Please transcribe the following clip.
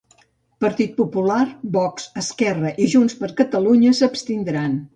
Partit Popular, Vox, Esquerra i Junts per Catalunya s'abstindran.